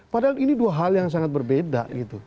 padahal ini dua hal yang sangat berbeda